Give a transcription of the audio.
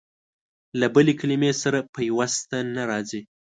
له بلې کلمې سره پيوسته نه راځي.